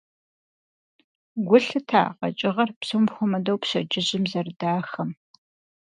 Гу лъытэ а къэкӀыгъэр, псом хуэмыдэу пщэдджыжьым, зэрыдахэм.